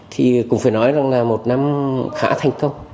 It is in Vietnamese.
thì cũng phải nói rằng là một năm khá thành công